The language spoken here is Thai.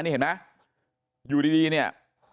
นี่เห็นไหมอยู่ดีเนี่ย